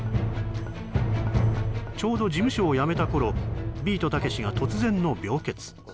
ちょうど事務所を辞めた頃ビートたけしが突然の病欠